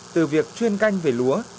từ việc chuyên canh về lúa